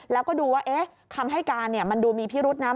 แล้วก็ดูว่าคำให้การมันดูมีพิรุษนะ